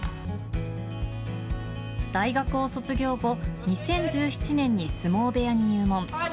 大学を卒業後、２０１７年に相撲部屋に入門。